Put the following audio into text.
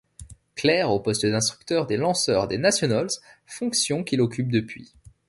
Claire au poste d'instructeur des lanceurs des Nationals, fonctions qu'il occupe depuis.